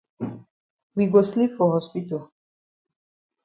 We go sleep for hospital.